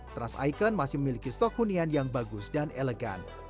trans icon masih memiliki stok hunian yang bagus dan elegan